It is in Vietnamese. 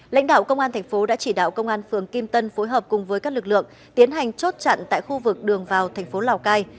lãnh đạo công an thành phố đã chỉ đạo công an phường kim tân phối hợp cùng với các lực lượng tiến hành chốt chặn tại khu vực đường vào thành phố lào cai